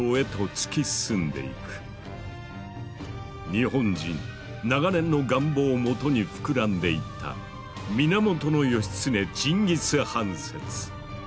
日本人長年の願望をもとに膨らんでいった源義経チンギス・ハン説。